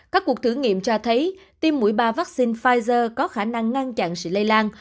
các cuộc thử nghiệm cho thấy tiêm mũi ba vaccine pfizer có khả năng ngăn chặn sự lây lan